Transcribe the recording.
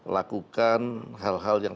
lakukan hal hal yang